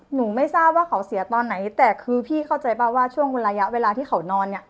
ไม่ทราบว่าเขาเสียตอนไหนแต่คือพี่เข้าใจป่ะว่าช่วงระยะเวลาที่เขานอนเนี่ย